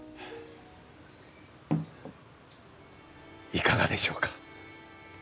いかがでしょうか？